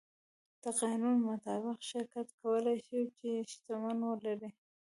د قانون مطابق شرکت کولی شي، چې شتمنۍ ولري.